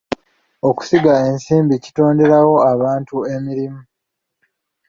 Okusiga ensimbi kitonderawo abantu emirimu.